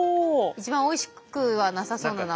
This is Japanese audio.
一番おいしくはなさそうな名前。